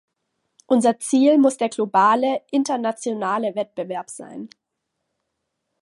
Unser Ziel muss der globale, internationale Wettbewerb sein.